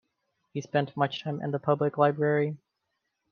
He spent much time in the public library.